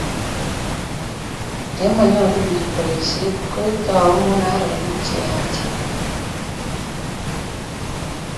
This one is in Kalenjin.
ye manyoru biik boisiet ko itou mung'arenik che yachen